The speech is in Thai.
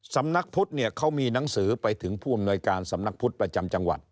สำนักพุทธเนี่ยเขามีหนังสือไปถึงผู้อำนวยการสำนักพุทธประจำจังหวัด